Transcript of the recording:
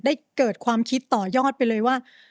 เกิดความคิดต่อยอดไปเลยว่า